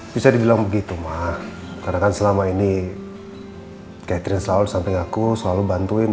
bisa dibilang begitu ma karena kan selama ini catherine selalu di samping aku selalu bantuin